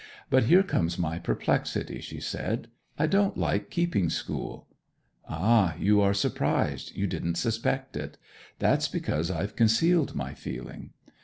'But here comes my perplexity,' she said. 'I don't like keeping school. Ah, you are surprised you didn't suspect it. That's because I've concealed my feeling.